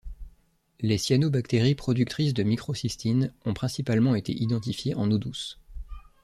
Les cyanobactéries productrices de microcystine ont principalement été identifiées en eau douce.